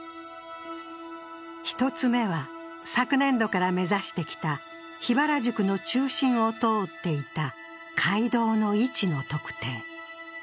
１つ目は、昨年度から目指してきた桧原宿の中心を通っていた街道の位置の特定。